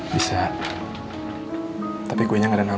bisa tapi kuenya gak ada nama ya